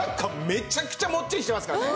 めちゃくちゃモッチリしてますからね。